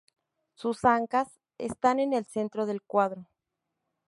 Sus ancas están en el centro del cuadro.